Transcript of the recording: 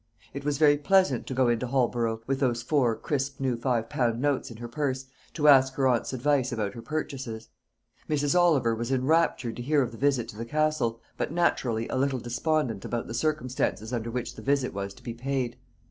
It was very pleasant to go into Holborough, with those four crisp new five pound notes in her purse, to ask her aunt's advice about her purchases. Mrs. Oliver was enraptured to hear of the visit to the Castle, but naturally a little despondent about the circumstances under which the visit was to be paid.